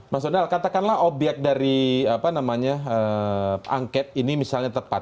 mas odal katakanlah objek dari angket ini misalnya tepat